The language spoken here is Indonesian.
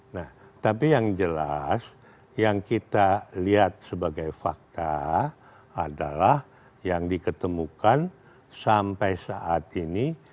nah tapi yang jelas yang kita lihat sebagai fakta adalah yang diketemukan sampai saat ini